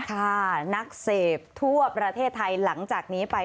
ค่ะนักเสพทั่วประเทศไทยหลังจากนี้ไป